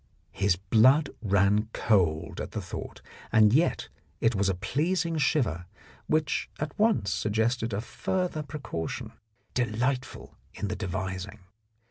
His blood ran cold at the thought, and yet it was a pleasing shiver which at once suggested a further precaution, delightful in the devising.